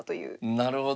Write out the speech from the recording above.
なるほど。